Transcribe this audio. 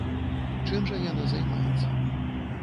Чым жа яна займаецца?